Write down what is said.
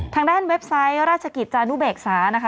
ทางด้านเว็บไซต์ราชกิจจานุเบกษานะคะ